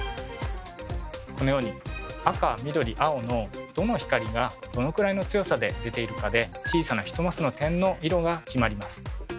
このように赤緑青のどの光がどのくらいの強さで出ているかで小さな１マスの点の色が決まります。